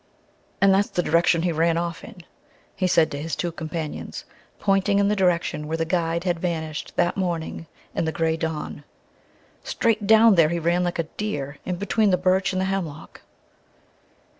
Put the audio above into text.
"And that's the direction he ran off in," he said to his two companions, pointing in the direction where the guide had vanished that morning in the grey dawn. "Straight down there he ran like a deer, in between the birch and the hemlock...."